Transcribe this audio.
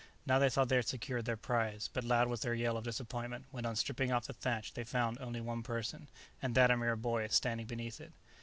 Now they thought they had secured their prize, but loud was their yell of disappointment when on stripping off the thatch they found only one person, and that a mere boy, standing beneath it.